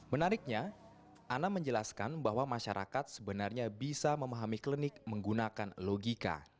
menariknya ana menjelaskan bahwa masyarakat sebenarnya bisa memahami klinik menggunakan logika